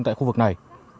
tại khu vực này